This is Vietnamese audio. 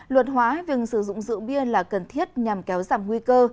luật hóa việc sử dụng rượu bia là cần thiết nhằm kéo giảm nguy cơ